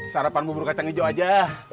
sarapan bubur kacang hijau aja